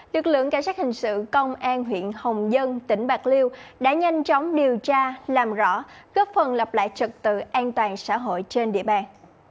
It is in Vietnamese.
lực lượng cảnh sát hình sự công an huyện hồng dân tỉnh bạc liêu đã nhanh chóng điều tra làm rõ góp phần lập lại trật tự an toàn xã hội trên địa bàn